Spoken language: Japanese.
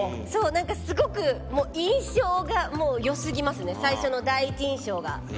なんかすごく印象がもう良すぎますね最初の第一印象が。